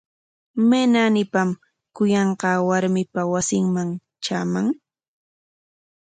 ¿May naanipam kuyanqaa warmipa wasinman traaman?